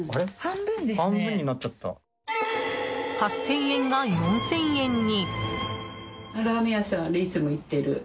８０００円が４０００円に。